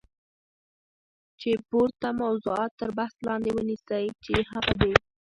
چی پورته موضوعات تر بحث لاندی ونیسی چی هغه د